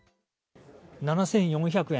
７４００円